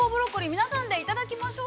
皆さんでいただきましょう。